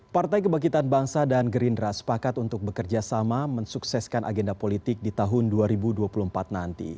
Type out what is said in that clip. partai kebangkitan bangsa dan gerindra sepakat untuk bekerja sama mensukseskan agenda politik di tahun dua ribu dua puluh empat nanti